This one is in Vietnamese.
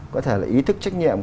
có thể là ý thức trách nhiệm